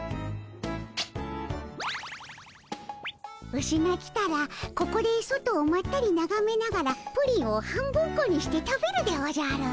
ウシが来たらここで外をまったりながめながらプリンを半分こにして食べるでおじゃる。